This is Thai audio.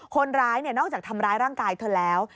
นอกจากทำร้ายร่างกายเธอแล้ว